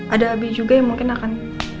ada abi juga yang mungkin akan